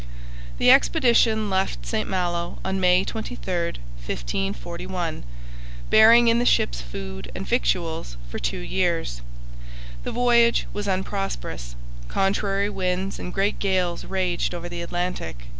The expedition left St Malo on May 23, 1541, bearing in the ships food and victuals for two years. The voyage was unprosperous. Contrary winds and great gales raged over the Atlantic.